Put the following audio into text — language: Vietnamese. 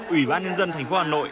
ủy ban nhân dân tp hà nội